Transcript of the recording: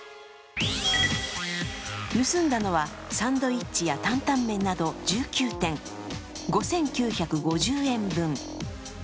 盗んだのはサンドイッチやタンタン麺など１９点、５９５０円分。